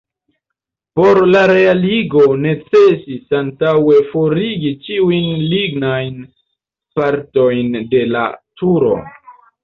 Por la realigo necesis antaŭe forigi ĉiujn lignajn partojn de la turo.